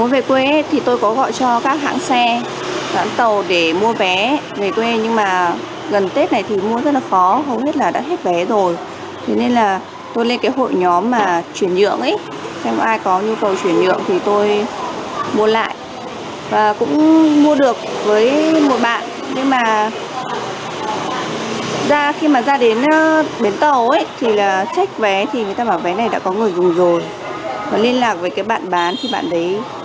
về là trách vé thì người ta bảo vé này đã có người dùng rồi mà liên lạc với cái bạn bán thì bạn đấy không liên lạc được nữa chắc là chặn số thôi